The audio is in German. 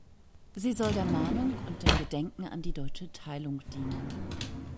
Sie soll der Mahnung und dem Gedenken an die deutsche Teilung dienen.